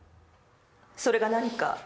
それが何か？